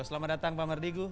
selamat datang pak mardigu